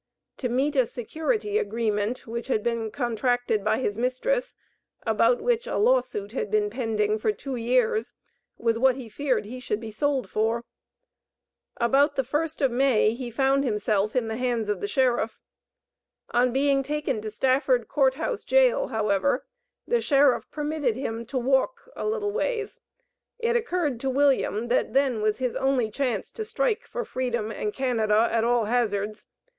To meet a security agreement, which had been contracted by his mistress about which a law suit had been pending for two years was what he feared he should be sold for. About the first of May he found himself in the hands of the sheriff. On being taken to Stafford Court House Jail, however, the sheriff permitted him to walk a "little ways." It occurred to William that then was his only chance to strike for freedom and Canada, at all hazards.